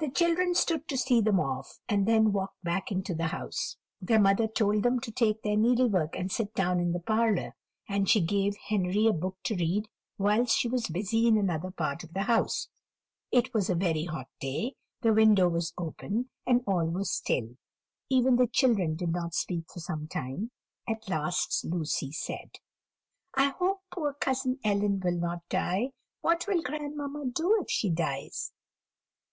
The children stood to see them off, and then walked back into the house. Their mother told them to take their needlework and sit down in the parlour; and she gave Henry a book to read whilst she was busy in another part of the house. It was a very hot day, the window was open, and all was still even the children did not speak for some time; at last Lucy said: "I hope poor cousin Ellen will not die. What will grandmamma do if she dies?"